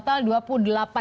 jadi ini berjumlah toko